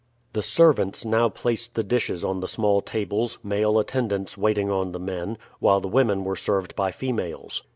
The servants now placed the dishes on the small tables, male attendants waiting on the men, while the women were served by females.